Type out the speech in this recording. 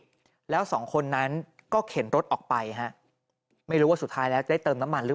หลังจากพบศพผู้หญิงปริศนาตายตรงนี้ครับ